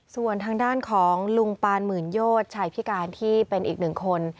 ส่วนทางด้านของลุงปานหมื่นโยชชายพิการที่เป็นอีกหนึ่งคน